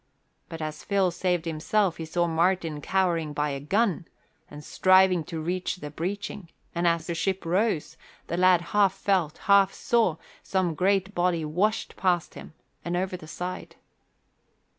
But as Phil saved himself he saw Martin cowering by a gun and striving to reach the breeching; and as the ship rose, the lad half felt, half saw, some great body washed past him and over the side.